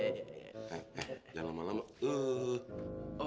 eh eh jangan lama lama